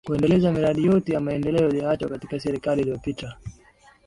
Kuendeleza miradi yote ya maendeleo ilioachwa katika serikali iliyopita